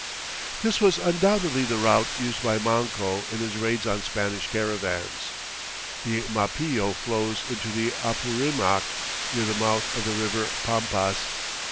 This was undoubtedly the route used by Manco in his raids on Spanish caravans. The Mapillo flows into the Apurimac near the mouth of the river Pampas.